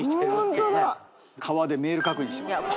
川でメール確認します。